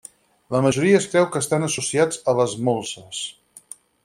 La majoria es creu que estan associats a les molses.